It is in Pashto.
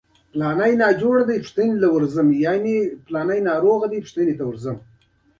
چیني یې په مټې خوارۍ تر کوټې کړ خوشاله نه و.